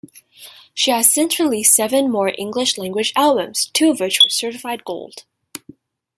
She has since released seven more English-language albums, two of which were certified Gold.